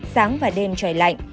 sáng và đêm trời lạnh